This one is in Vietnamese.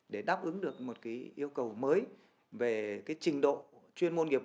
để đáp ứng được một cái yêu cầu mới về cái trình độ chuyên môn nghiệp vụ